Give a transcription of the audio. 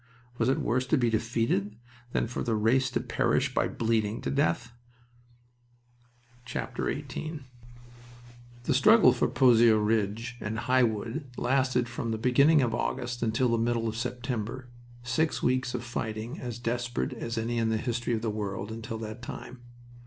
Was it worse to be defeated than for the race to perish by bleeding to death? XVIII The struggle for the Pozieres ridge and High Wood lasted from the beginning of August until the middle of September six weeks of fighting as desperate as any in the history of the world until that time.